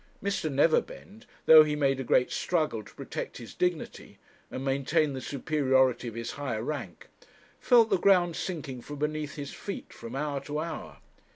Mr. Neverbend, though he made a great struggle to protect his dignity, and maintain the superiority of his higher rank, felt the ground sinking from beneath his feet from hour to hour.